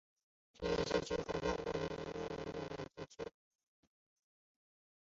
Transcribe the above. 第一校区横跨高雄市燕巢区与楠梓区。